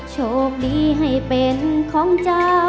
โชคดีให้เป็นของเจ้า